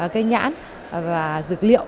cây nhãn và dược liệu